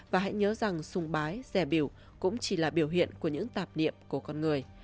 và hãy nhớ rằng sùng bái rẻ biểu cũng chỉ là biểu hiện của những tạp niệm của con người